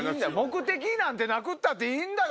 目的なんてなくったっていいんだよ！